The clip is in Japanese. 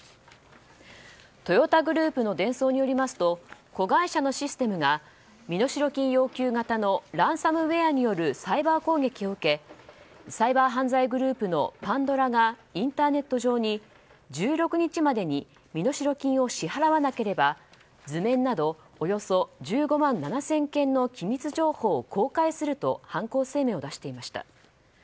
トヨタグループのデンソーによりますと子会社のシステムが身代金要求型のランサムウェアによるサイバー攻撃を受けサイバー犯罪グループのＰａｎｄｏｒａがインターネット上に１６日までに身代金を支払わなければ図面などおよそ１５万７０００件の機密情報を公開すると犯行声明を出していました。